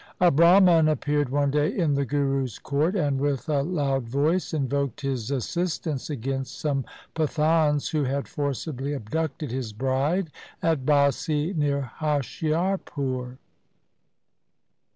A Brahman appeared one day in the Guru's court, and with a loud voice invoked his assistance against some Pathans who had forcibly abducted his bride at Bassi near Hoshiarpur.